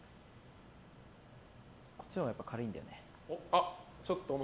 こっちのほうが軽いんだよね。